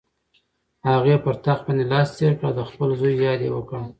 هغې پر تخت باندې لاس تېر کړ او د خپل زوی یاد یې وکړ.